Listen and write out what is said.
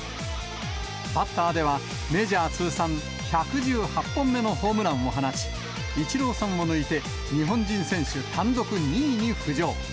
バッターでは、メジャー通算１１８本目のホームランを放ち、イチローさんを抜いて、日本人選手単独２位に浮上。